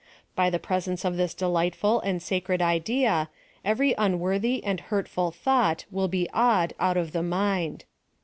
By the presence of this delightful and sa cred idea every unworthy and hurtful thought will be awed out of the mind.